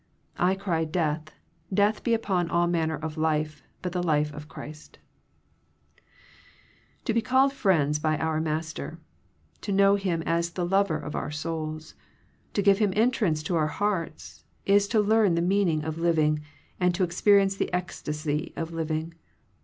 1 cry death, death be upon all manner of life but the life of Christ" To be called friends by our Master, to know Him as the Lover of our souls, to give Him entrance to our hearts, is to learn the meaning of living, and to ex perience the ecstasy of living.